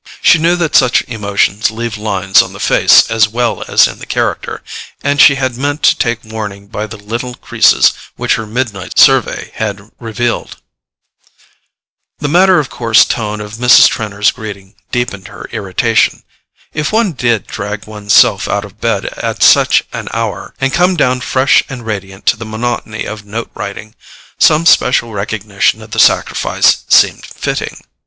She knew that such emotions leave lines on the face as well as in the character, and she had meant to take warning by the little creases which her midnight survey had revealed. The matter of course tone of Mrs. Trenor's greeting deepened her irritation. If one did drag one's self out of bed at such an hour, and come down fresh and radiant to the monotony of note writing, some special recognition of the sacrifice seemed fitting.